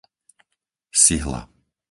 Sihla